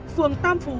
phường tam phú